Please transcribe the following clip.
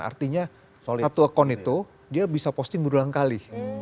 artinya satu akun itu dia bisa posting berulang kali